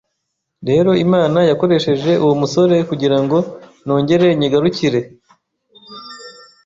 rero Imana yakoresheje uwo musore kugirango nongere nyigarukire.